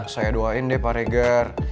saya doain deh pak reger